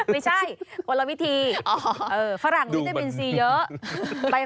ไม่ใช่วัลวิธี